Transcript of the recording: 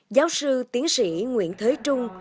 giáo sư tiến sĩ nguyễn thế trung